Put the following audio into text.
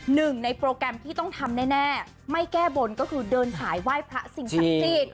หนึ่งในโปรแกรมที่ต้องทำแน่ไม่แก้บนก็คือเดินขายไหว้พระสิ่งศักดิ์สิทธิ์